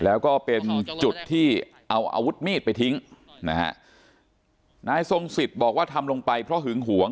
แล้วก็เป็นจุดที่เอาอาวุธมีดไปทิ้งนะฮะนายทรงสิทธิ์บอกว่าทำลงไปเพราะหึงหวง